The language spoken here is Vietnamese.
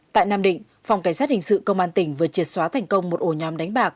tại nam định phòng cảnh sát hình sự công an tỉnh vừa triệt xóa thành công một ổ nhóm đánh bạc